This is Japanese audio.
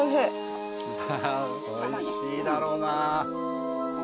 美味しいだろうな。